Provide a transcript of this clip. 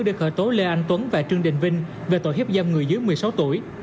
để khởi tố lê anh tuấn và trương đình vinh về tội hiếp dâm người dưới một mươi sáu tuổi